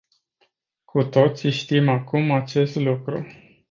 Cu toții știm acum acest lucru.